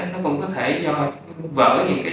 nó cũng có thể do vỡ những cái